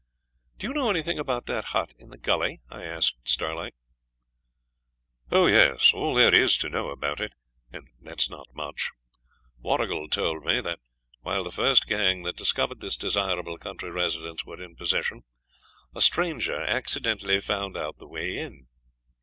'Do you know anything about that hut in the gully?' I asked Starlight. 'Oh yes, all there is to know about it; and that's not much. Warrigal told me that, while the first gang that discovered this desirable country residence were in possession, a stranger accidentally found out the way in.